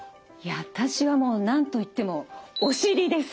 私はもうなんといっても「おしり」です。